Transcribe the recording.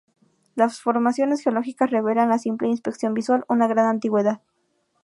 Las formaciones geológicas revelan a simple inspección visual una gran antigüedad.